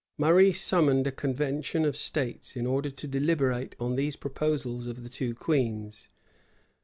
[*] Murray summoned a convention of states, in order to deliberate on these proposals of the two queens.